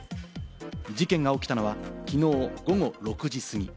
事件が起きたのは昨日、午後６時過ぎ。